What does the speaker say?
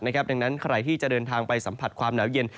ดังนั้นใครที่จะเดินทางไปสัมผัสความหนาวเย็น